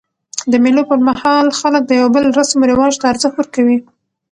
د مېلو پر مهال خلک د یو بل رسم و رواج ته ارزښت ورکوي.